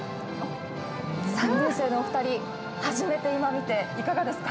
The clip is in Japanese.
３年生のお二人、初めて今見ていかがですか？